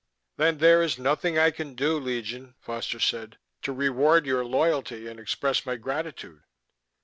"Then there is nothing I can do, Legion," Foster said, "to reward your loyalty and express my gratitude."